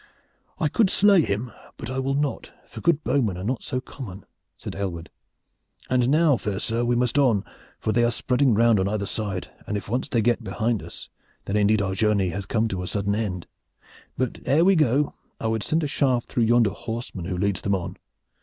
"I could slay him; but I will not, for good bowmen are not so common," said Aylward. "And now, fair sir, we must on, for they are spreading round on either side, and if once they get behind us, then indeed our journey has come to a sudden end. But ere we go I would send a shaft through yonder horseman who leads them on."